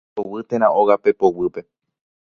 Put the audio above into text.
Mangoguy térã óga pepoguýpe